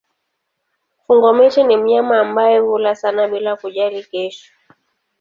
Fungo-miti ni mnyama ambaye hula sana bila kujali kesho.